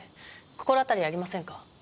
心当たりありませんか？